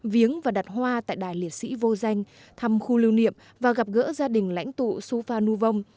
viếng và đặt hoa tại đài liệt sĩ vô danh thăm khu lưu niệm và gặp gỡ gia đình lãnh tụ su phan nu vong